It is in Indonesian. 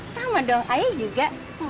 sama dong ayah juga